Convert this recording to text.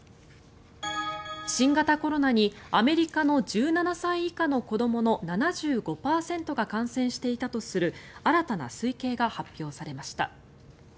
新型コロナに、アメリカの１７歳以下の子どもの７５％が感染していたとする新たな推計が発表されました。